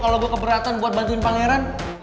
kalau gue keberatan buat bantuin pangeran